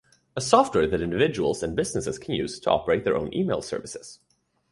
A software that individuals and businesses can use to operate their own email services.